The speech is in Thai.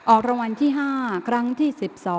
ออกรางวัลที่๕ครั้งที่๑๒